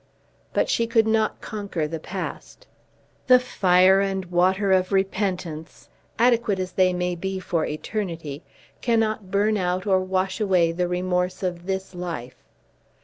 But she could not conquer the past. The fire and water of repentance, adequate as they may be for eternity, cannot burn out or wash away the remorse of this life.